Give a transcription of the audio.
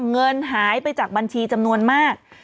เงินหายไปจากบัญชีจำนวนมาก